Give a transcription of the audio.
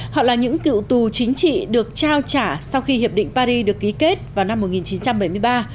họ là những cựu tù chính trị được trao trả sau khi hiệp định paris được ký kết vào năm một nghìn chín trăm bảy mươi ba